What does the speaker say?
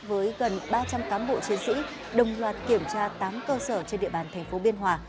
với gần ba trăm linh cán bộ chiến sĩ đồng loạt kiểm tra tám cơ sở trên địa bàn thành phố biên hòa